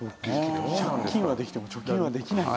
借金はできても貯金はできないんだ。